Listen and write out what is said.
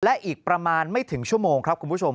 และอีกประมาณไม่ถึงชั่วโมงครับคุณผู้ชม